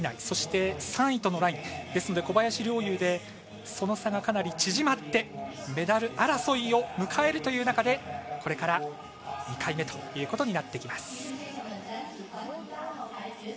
そして、３位とのラインですので、小林陵侑でその差が、かなり縮まってメダル争いを迎えるという中でこれから２回目ということになってきます。